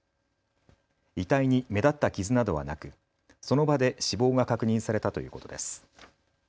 遺体に目立った傷などはなくその場で死亡が確認されたということです。